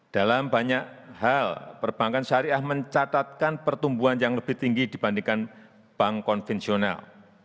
dalam banyak hal perbankan syariah mencatatkan pertumbuhan yang lebih tinggi dibandingkan bank konvensional